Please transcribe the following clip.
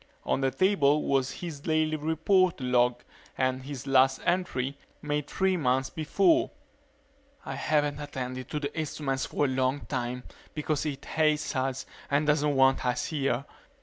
On the table was his daily report log and his last entry, made three months before: _I haven't attended to the instruments for a long time because it hates us and doesn't want us here.